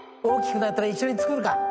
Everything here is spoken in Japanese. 大きくなったら一緒に作るか。